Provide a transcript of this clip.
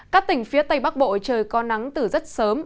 các tỉnh phía tây bắc bộ trời có nắng từ rất sớm